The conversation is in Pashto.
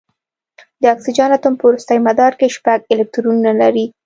د اکسیجن اتوم په وروستي مدار کې شپږ الکترونونه لري.